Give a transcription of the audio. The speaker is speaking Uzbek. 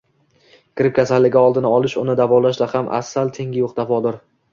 Gripp kasalligi oldini olish, uni davolashda ham asal tengi yo‘q davodir.